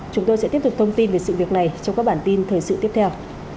chúng tôi sẽ tiếp tục thông tin về sự việc này trong các bản tin thời sự tiếp theo